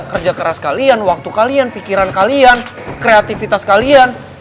kerja keras kalian waktu kalian pikiran kalian kreativitas kalian